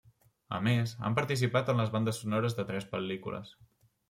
A més, han participat en les bandes sonores de tres pel·lícules.